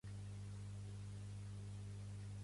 Malone també va jugar una temporada amb Los Angeles Lakers.